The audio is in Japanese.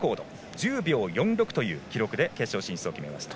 １０秒４６という記録で決勝進出を決めました。